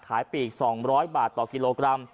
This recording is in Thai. ปีก๒๐๐บาทต่อกิโลกรัม